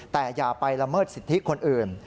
แต่อย่าไปละเมิดสิทธิคนอื่น